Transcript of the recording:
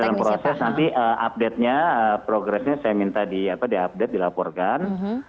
dalam proses nanti update nya progress nya saya minta di update dilaporkan